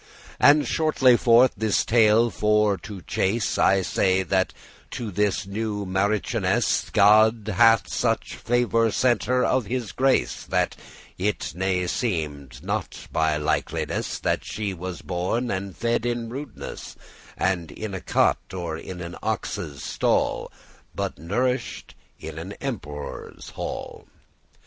And, shortly forth this tale for to chase, I say, that to this newe marchioness God hath such favour sent her of his grace, That it ne seemed not by likeliness That she was born and fed in rudeness, — As in a cot, or in an ox's stall, — But nourish'd in an emperore's hall.